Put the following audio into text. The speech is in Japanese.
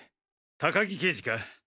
高木刑事か？